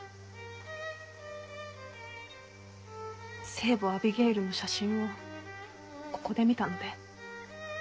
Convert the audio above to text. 聖母アビゲイルの写真をここで見たので。